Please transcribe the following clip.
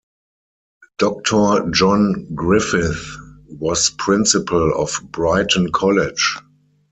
Doctor John Griffith, was Principal of Brighton College.